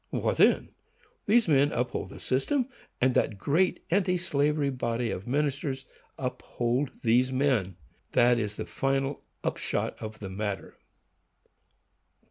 What then? These men uphold the system, and that great anti slavery body of ministers uphold these men. That is the final upshot of the matter.